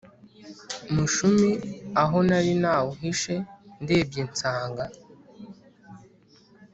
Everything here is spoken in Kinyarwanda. mushumi aho nari nawuhishe ndebye nsanga